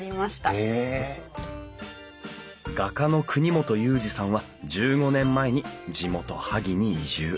画家の國本ユージさんは１５年前に地元萩に移住。